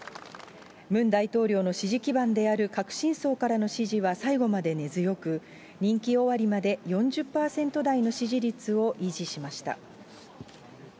ムン大統領の支持基盤である革新層からの支持は最後まで根強く、任期終わりまで４０％台の支持率を維持しました。